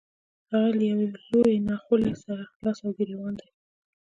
هغه له يوې لويې ناخوالې سره لاس او ګرېوان دی.